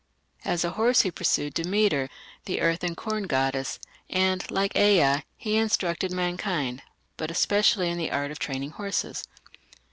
As a horse he pursued Demeter, the earth and corn goddess, and, like Ea, he instructed mankind, but especially in the art of training horses.